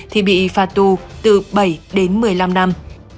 thì bị phạt tù từ bảy đến một mươi năm năm